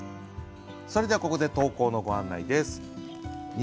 それではここで投稿のご案内です。